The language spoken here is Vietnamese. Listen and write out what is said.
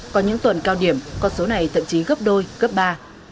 có những tuần cao điểm con số này thậm chí gấp đôi gấp ba